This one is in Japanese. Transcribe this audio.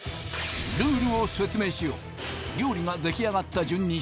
ＲＵＬＥを説明しよう料理が出来上がった順に